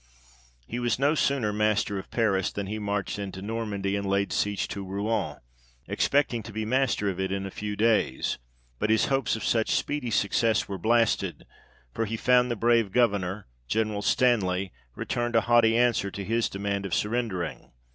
He was no sooner master of Paris, than he marched into Normandy, and laid siege to Rouen, expecting to be master of it in a few days ; but his hopes of such speedy success were blasted : for he found the brave Governor, General Stanley, returned a haughty answer to his demand of surrendering.